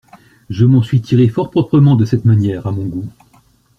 Je m'en suis tiré fort proprement de cette manière, à mon goût.